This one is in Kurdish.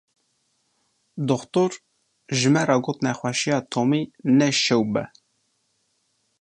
Doktor ji me re got nexweşiya Tomî ne şewb e.